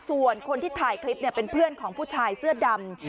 ส่วนคนที่ถ่ายคลิปเป็นเพื่อนของผู้ชายเสื้อดำ